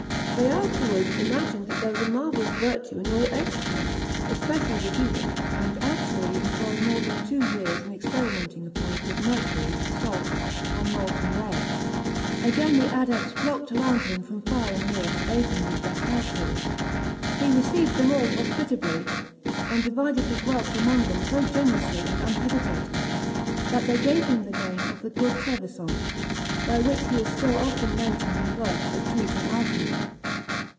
They afterwards imagined that there was a marvellous virtue in all excrement, especially the human, and actually employed more than two years in experimentalising upon it with mercury, salt, and molten lead! Again the adepts flocked around him from far and near to aid him with their counsels. He received them all hospitably, and divided his wealth among them so generously and unhesitatingly, that they gave him the name of the "Good Trevisan," by which he is still often mentioned in works that treat on alchymy.